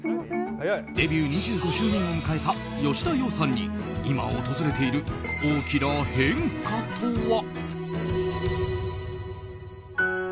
デビュー２５周年を迎えた吉田羊さんに今、訪れている大きな変化とは。